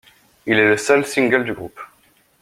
Il est le seul single du groupe.